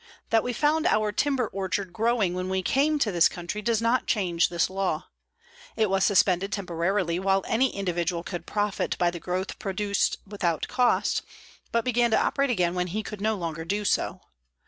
That we found our timber orchard growing when we came to this country does not change this law. It was suspended temporarily while any individual could profit by the growth produced without cost, but began to operate again when he could no longer do so.